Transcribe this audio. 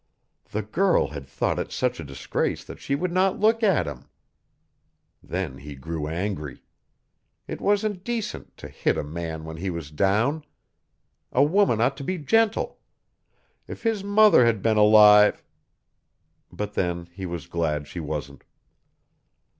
The girl had thought it such a disgrace that she would not look at him! Then he grew angry. It wasn't decent, to hit a man when he was down. A woman ought to be gentle if his mother had been alive but then he was glad she wasn't.